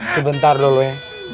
sebentar dulu ya